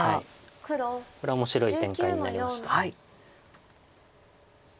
これは面白い展開になりました。